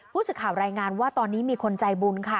ผู้สื่อข่าวรายงานว่าตอนนี้มีคนใจบุญค่ะ